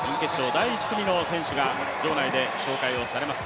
第１組の選手が場内で紹介されます。